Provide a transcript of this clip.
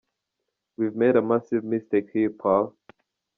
we’ve made a massive mistake here pal.